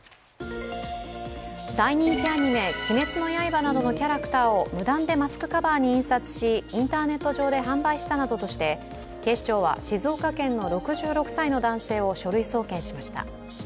大人気アニメ「鬼滅の刃」などのキャラクターを無断でマスクカバーに印刷しインターネット上で販売したなどとして、警視庁は静岡県の６６歳の男性を書類送検しました。